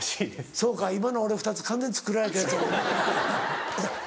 そうか今の俺２つ完全に作られたやつ。